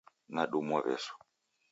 Nadumwa W'esu